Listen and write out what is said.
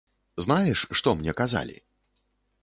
Знаеш, што мне казалі?